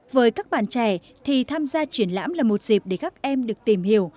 với các bạn trẻ thì tham gia triển lãm là một dịp để các em được tìm hiểu